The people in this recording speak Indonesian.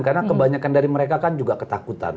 karena kebanyakan dari mereka kan juga ketakutan